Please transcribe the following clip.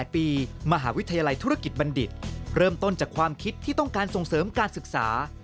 มหาวิทยาลัยธุรกิจบัณฑิตเริ่มต้นจากความคิดที่ต้องการส่งเสริมการศึกษา